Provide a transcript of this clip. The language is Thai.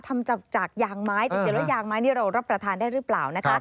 ทำจากยางไม้จริงแล้วยางไม้นี่เรารับประทานได้หรือเปล่านะคะ